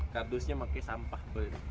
kardusnya pakai sampah